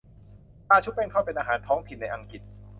ปลาชุบแป้งทอดเป็นอาหารท้องถิ่นในอังกฤษ